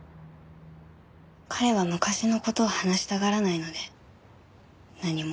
彼は昔の事を話したがらないので何も。